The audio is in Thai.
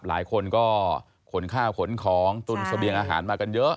หลายคนก็ขนข้าวขนของตุนเสบียงอาหารมากันเยอะ